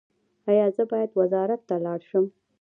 ایا زه باید وزارت ته لاړ شم؟